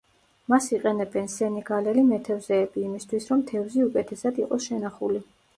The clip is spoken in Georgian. მას იყენებენ სენეგალელი მეთევზეები, იმისთვის, რომ თევზი უკეთესად იყოს შენახული.